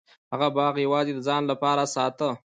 هغه باغ یوازې د ځان لپاره ساته.